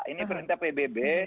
ini perintah pbb